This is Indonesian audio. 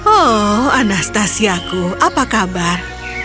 oh anastasiaku apa kabar